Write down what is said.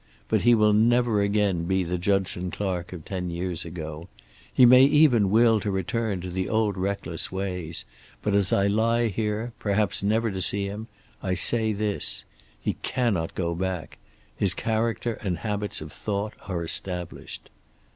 But he will never again be the Judson Clark of ten years ago. He may even will to return to the old reckless ways, but as I lie here, perhaps never to see him, I say this: he cannot go back. His character and habits of thought are established.